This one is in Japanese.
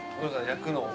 焼くのを。